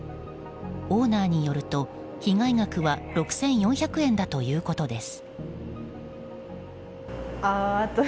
オーナーによると被害額は６４００円だということです。